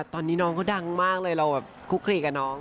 ตอนนี้น้องเขาดังมากเลยเราแบบคุกคลีกับน้อง